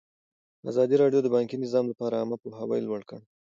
ازادي راډیو د بانکي نظام لپاره عامه پوهاوي لوړ کړی.